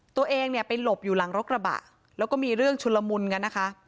ตัวเองเนี่ยไปหลบอยู่หลังรถกระบะแล้วก็มีเรื่องชุนละมุนกันนะคะ